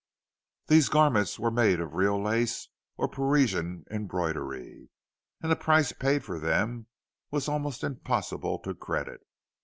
These garments were made of real lace or Parisian embroidery, and the prices paid for them were almost impossible to credit.